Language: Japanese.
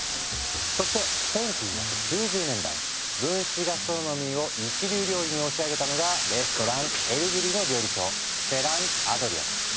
そして１９９０年代分子ガストロノミーを一流料理に押し上げたのがレストラン「エルブリ」の料理長フェラン・アドリアだ。